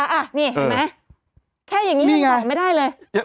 นี่เห็นไหมแค่อย่างนี้ไม่ได้เลย